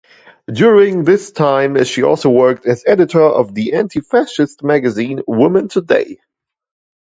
During this time she also worked as editor of the anti-fascist magazine "Woman Today".